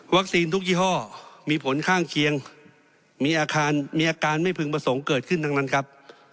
ทุกยี่ห้อมีผลข้างเคียงมีอาการมีอาการไม่พึงประสงค์เกิดขึ้นทั้งนั้นครับ